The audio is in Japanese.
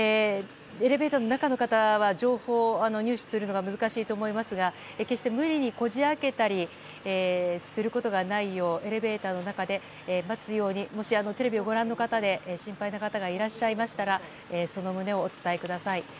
エレベーターの中の方は情報を入手することは難しいかと思いますが決して無理にこじ開けたりすることがないようエレベーターの中で待つようにテレビをご覧の方で心配な方がいらっしゃいましたらその旨をお伝えください。